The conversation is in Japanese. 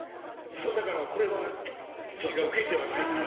そうだからこれはボケてはないから。